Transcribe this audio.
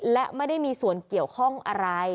และไม่ได้มีส่วนเกี่ยวข้องอะไร